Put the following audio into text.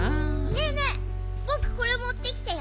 ねえねえぼくこれもってきたよ。